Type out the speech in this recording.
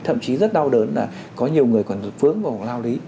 thậm chí rất đau đớn là có nhiều người còn vướng vào lao lý